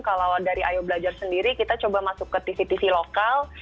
kalau dari ayo belajar sendiri kita coba masuk ke tv tv lokal